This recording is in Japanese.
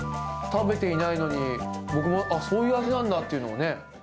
食べていないのに、僕も、ああ、そういう味なんだっていうのをね。